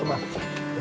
terima kasih pak